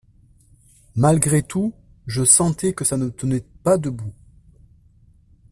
Malgré tout, je sentais que ça ne tenait pas debout.